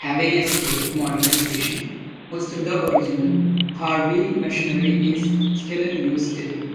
Having escaped modernisation, most of the original Harvey machinery is still in use today.